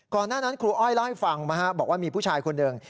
หน้านั้นครูอ้อยเล่าให้ฟังบอกว่ามีผู้ชายคนหนึ่ง